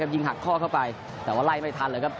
ยิงหักข้อเข้าไปแต่ว่าไล่ไม่ทันเลยครับ